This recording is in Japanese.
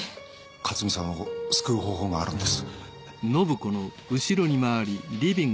克巳さんを救う方法があるんです。